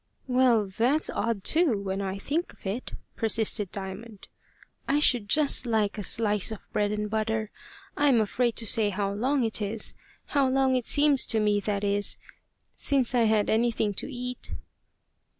"Well, that's odd too, when I think of it," persisted Diamond. "I should just like a slice of bread and butter! I'm afraid to say how long it is how long it seems to me, that is since I had anything to eat."